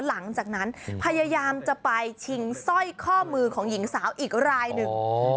หลังจากนั้นพยายามจะไปชิงสร้อยข้อมือของหญิงสาวอีกรายหนึ่ง